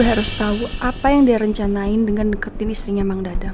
gue harus tau apa yang dia rencanain dengan deketin istrinya emang dadeng